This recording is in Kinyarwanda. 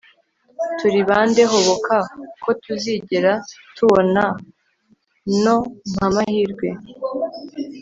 turi bandehoboka ko tuzigera tubona no! mpa amahirwe